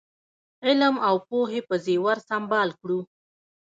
علم او پوهې په زېور سمبال کړو.